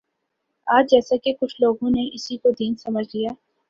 آج جیساکہ کچھ لوگوں نے اسی کو دین سمجھ لیا